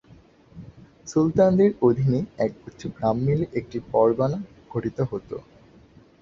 সুলতানদের অধীনে একগুচ্ছ গ্রাম মিলে একটি পরগনা গঠিত হতো।